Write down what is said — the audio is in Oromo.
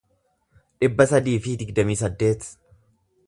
dhibba sadii fi digdamii saddeet